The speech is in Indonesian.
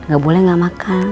gak boleh gak makan